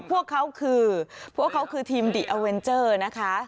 พวกเขาคือพวกเขาคือทีมดิอเวนเจอร์นะคะ